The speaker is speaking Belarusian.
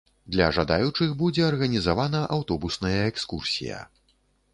Для жадаючых будзе арганізавана аўтобусная экскурсія.